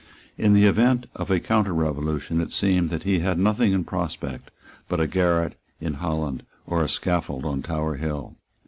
In the event of a counterrevolution it seemed that he had nothing in prospect but a garret in Holland, or a scaffold on Tower Hill.